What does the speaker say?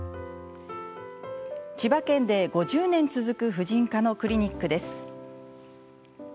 千葉県で５０年続く婦人科のクリニックです。